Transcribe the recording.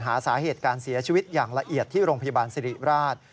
หาสาเหตุการเสียชีวิตอย่างละเอียดที่โรงพยาบาลสิริราช